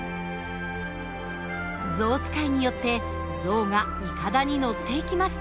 象使いによって象がいかだに乗っていきます。